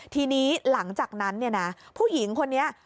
ทีนี้หลังจากนั้นเนี่ยนะผู้หญิงคนนี้